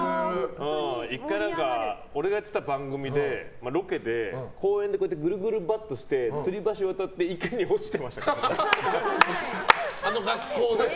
１回、俺がやってた番組のロケで公園でぐるぐるバットしてつり橋わたって池に落ちてましたよ。